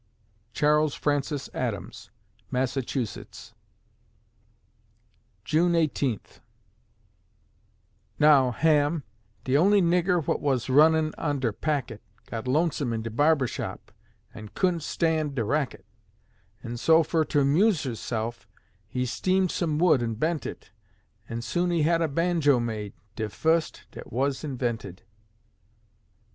CHARLES FRANCIS ADAMS (Massachusetts) June Eighteenth Now, Ham, de only nigger whut wuz runnin' on der packet, Got lonesome in de barber shop, an' c'u'dn't stan' de racket; An' so, fur to amuse hese'f, he steamed some wood an' bent it, An' soon he had a banjo made de fust dat wuz invented.